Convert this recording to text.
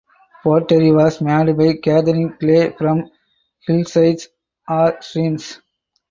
Pottery was made by gathering clay from hillsides or streams.